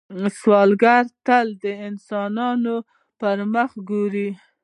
سوالګر تل د انسانانو پر مخ ګوري